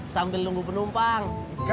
sambil nunggu penumpang